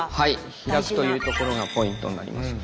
開くというところがポイントになりますので。